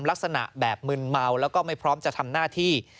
ลักษณะแบบมึนเมาแล้วก็ไม่พร้อมจะทำหน้าที่